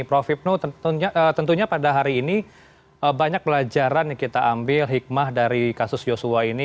prof hipno tentunya pada hari ini banyak pelajaran yang kita ambil hikmah dari kasus yosua ini